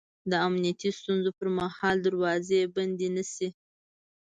د امنیتي ستونزو پر مهال دروازې بندې نه شي